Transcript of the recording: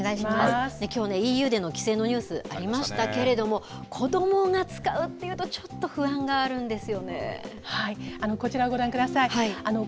きょうねＥＵでの規制のニュースありましたけれども子どもが使うというとはい、こちらをご覧ください。